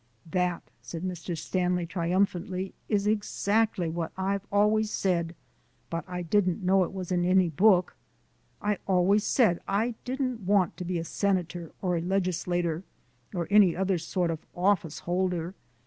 "That," said Mr. Stanley, "is exactly what I've always said, but I didn't know it was in any book. I always said I didn't want to be a senator or a legislator, or any other sort of office holder.